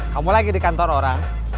kamu lagi di kantor orang